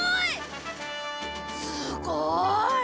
すごい。